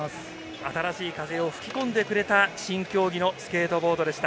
新しい風を吹き込んでくれた新競技のスケートボードでした。